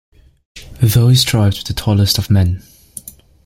Those tribes were the tallest of men.